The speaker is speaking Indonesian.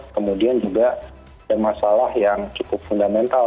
kemudian juga masalah yang cukup fundamental